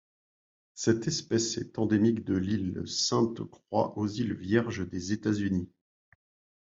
Cette espèce est endémique de l'île Sainte-Croix aux îles Vierges des États-Unis.